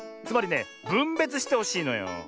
つまりねぶんべつしてほしいのよ。